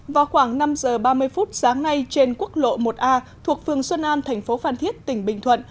vào khoảng năm giờ ba mươi phút sáng nay trên quốc lộ một a thuộc phường xuân an thành phố phan thiết tỉnh bình thuận